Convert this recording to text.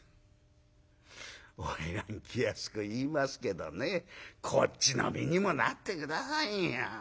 「花魁気安く言いますけどねこっちの身にもなって下さいよ。